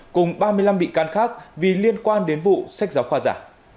cùng ba mươi năm bị can khác vì liên quan đến vụ sách giáo khoa giả